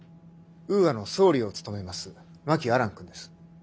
ウーアの総理を務めます真木亜蘭君です。